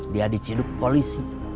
dia diciduk polisi